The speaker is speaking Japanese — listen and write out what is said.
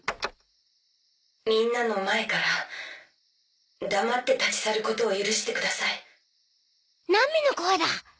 みんなの前から黙って立ち去ることを許してくださいナミの声だ